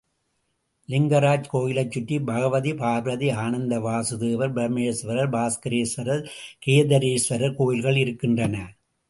லிங்கராஜ் கோயிலைச் சுற்றி பகவதி, பார்வதி, ஆனந்த வாசுதேவர், பிரம்மேஸ்வர், பாஸ்கரேஸ்வரர், கேதர்ரேஸ்வரர் கோயில்கள் இருக்கின்றன.